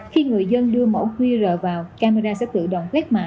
khi người dân đưa mã qr vào camera sẽ tự động quét mã